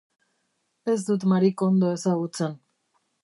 Ez dut Marie Kondo ezagutzen.